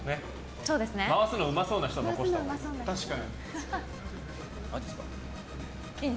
回すのうまそうな人を残したほうがいい。